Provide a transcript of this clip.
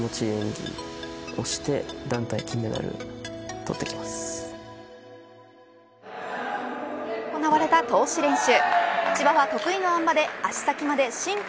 そして、今日行われた通し練習。